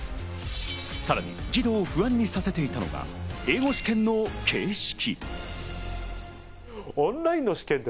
さらに義堂を不安にさせていたのが、英語試験の形式。